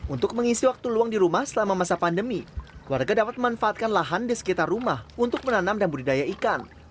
untuk mengisi waktu luang di rumah selama masa pandemi warga dapat memanfaatkan lahan di sekitar rumah untuk menanam dan budidaya ikan